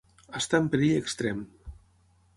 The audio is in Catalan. Estar en perill extrem.